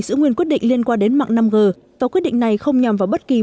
giữ nguyên quyết định liên quan đến mạng năm g và quyết định này không nhằm vào bất kỳ